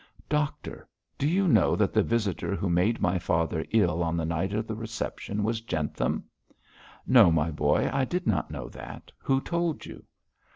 Doctor, do you know that the visitor who made my father ill on the night of the reception was Jentham?' 'No, my boy, I did not know that. Who told you?'